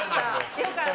良かった！